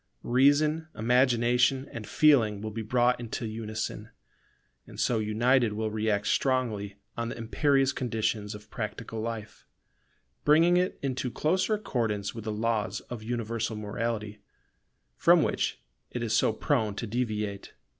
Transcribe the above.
Reason, Imagination, and Feeling will be brought into unison: and so united will react strongly on the imperious conditions of practical life; bringing it into closer accordance with the laws of universal morality, from which it is so prone to deviate.